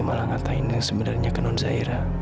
malah ngatain yang sebenarnya ke nonzaira